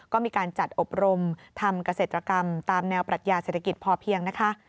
ก็มีการจัดอบรมทำเกษตรกรรมตามแนวปรัชญาเศรษฐกิจพอเพียงนะคะ